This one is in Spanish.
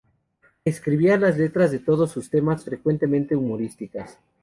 Escribía las letras de todos sus temas, frecuentemente humorísticas.